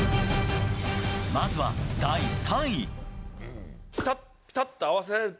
まずは第３位。